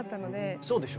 そうでしょ。